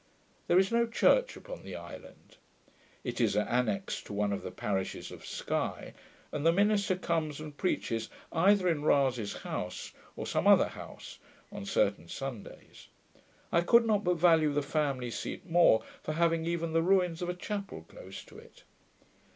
There is no church upon the island. It is annexed to one of the parishes of Sky; and the minister comes and preaches either in Rasay's house, or some other house, on certain Sundays. I could not but value the family seat more, for having even the ruins of a chapel close to it.